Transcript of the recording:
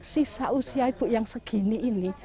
sisa usia ibu yang segini ini